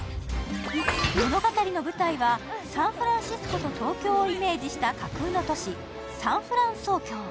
物語の舞台は、サンフランシスコと東京をイメージした架空の都市、サンフランソウキョウ。